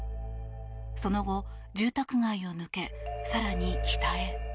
その後、住宅街を抜け更に北へ。